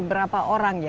berapa orang ya